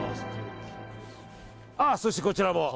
そしてこちらも。